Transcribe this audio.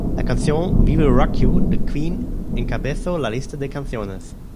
La canción We Will Rock You, de Queen, encabezó la lista de canciones.